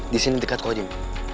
di sini dekat ko jim